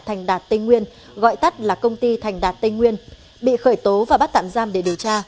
thành đạt tây nguyên gọi tắt là công ty thành đạt tây nguyên bị khởi tố và bắt tạm giam để điều tra